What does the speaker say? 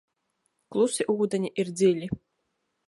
Klusi ūdeņi ir dziļi.